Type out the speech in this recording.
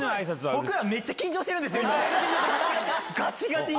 僕ら、めっちゃ緊張してるんですよ、がちがちに。